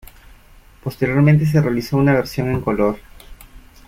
Posteriormente se realizó una versión en color.